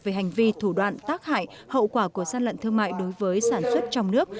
về hành vi thủ đoạn tác hại hậu quả của gian lận thương mại đối với sản xuất trong nước